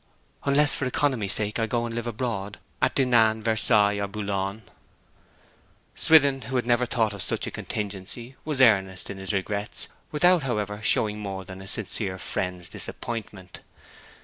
'Unless for economy's sake, I go and live abroad, at Dinan, Versailles, or Boulogne.' Swithin, who had never thought of such a contingency, was earnest in his regrets; without, however, showing more than a sincere friend's disappointment.